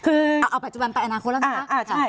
คือเอาปัจจุบันไปอนาคตแล้วนะคะ